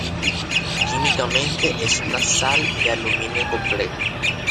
Químicamente es una sal de aluminio compleja.